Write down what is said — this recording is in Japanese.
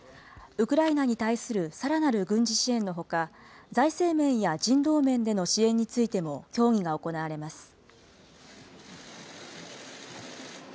ウクライナに対するさらなる軍事支援のほか、財政面や人道面での支援についても協議が行われます。